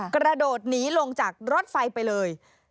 กระโดดหนีลงจากรถไฟไปเลย